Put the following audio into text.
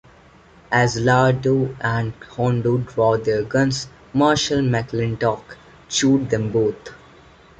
As Laredo and Hondo draw their guns, Marshal McClintock shoots them both.